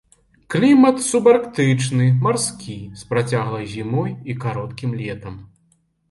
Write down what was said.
Клімат субарктычны, марскі, з працяглай зімой і кароткім летам.